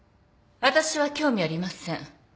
私は興味ありません。